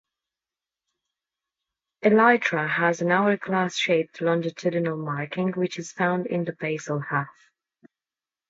Elytra has an hourglass shaped longitudinal marking which is found in the basal half.